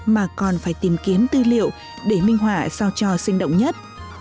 mà còn phải tìm kiếm tư liệu để minh họa sao cho sinh động nhất